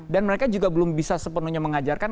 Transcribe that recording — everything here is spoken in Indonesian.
dan mereka juga belum bisa sepenuhnya mengajarkan